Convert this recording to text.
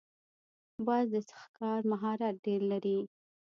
باز د ښکار مهارت ډېر لري